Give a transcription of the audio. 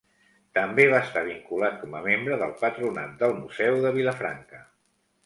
També va estar vinculat com a membre del Patronat del Museu de Vilafranca.